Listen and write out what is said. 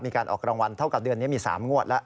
มีการออกรางวัลเท่ากับเดือนนี้มี๓งวดแล้ว